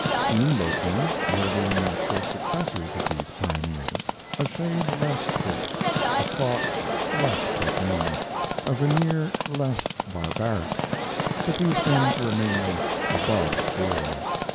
Steam boatmen were the natural successors of these pioneers a shade less coarse, a thought less profane, a veneer less barbaric. But these things were mainly "above stairs."